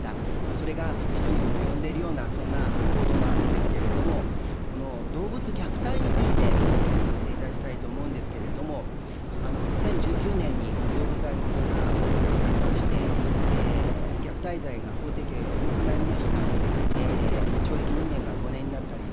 それが人にも及んでいるような、そんな報道もあるんですけれども、動物虐待について質問させていただきたいと思うんですけれども、２０１９年に動物愛護法が改正されまして、虐待罪がほうていけい、重くなりました。